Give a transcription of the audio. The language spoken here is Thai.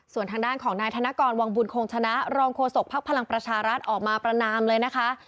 ส่วนทางด้านของนายธนกรวังบุญคงชนะรองโฆษกภักดิ์พลังประชารัฐออกมาประนามเลยนะคะ